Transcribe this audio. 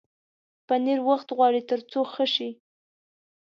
پنېر وخت غواړي تر څو ښه شي.